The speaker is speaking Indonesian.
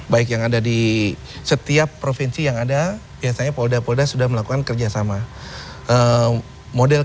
baik yang ada di setiap provinsi yang ada biasanya polda polda sudah melakukan kerjasama model